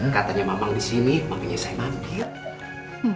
katanya memang di sini makanya saya mampir